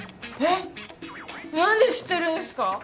えっ何で知ってるんですか？